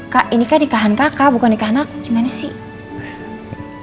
kak ini kan nikahan kakak bukan nikahan aku gimana sih